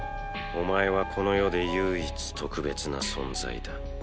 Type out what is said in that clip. お前はこの世で唯一特別な存在だ。